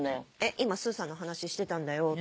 今すーさんの話してたんだよって。